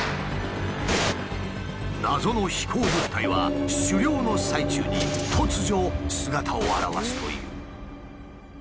謎の飛行物体は狩猟の最中に突如姿を現すという。